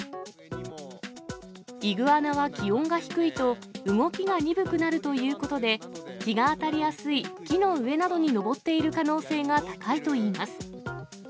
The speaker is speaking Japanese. イグアナは気温が低いと動きが鈍くなるということで、日が当たりやすい木の上などに登っている可能性が高いといいます。